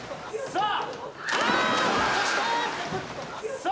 さあ